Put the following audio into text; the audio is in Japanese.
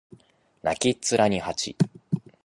泣きっ面に蜂